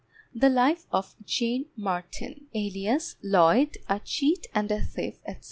The Life of JANE MARTIN, alias LLOYD, a Cheat and a Thief, etc.